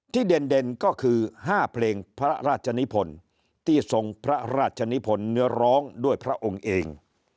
เด่นก็คือ๕เพลงพระราชนิพลที่ทรงพระราชนิพลเนื้อร้องด้วยพระองค์เอง